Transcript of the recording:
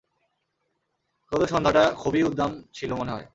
গত সন্ধ্যাটা খুবই উদ্দাম ছিল মনে হয়।